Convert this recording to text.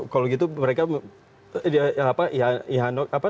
kalau gitu mereka apa